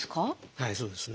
はいそうですね。